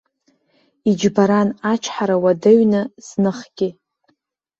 Иџьбаран, ачҳара уадаҩны, зныхгьы.